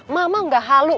mama gak halu